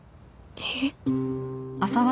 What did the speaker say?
えっ？